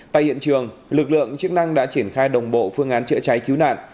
tại hiện trường lực lượng chức năng đã triển khai đồng bộ phương án chữa cháy cứu nạn